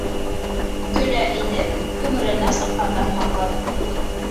Көлә инеп, көңрәнә сыҡҡандан һаҡлан.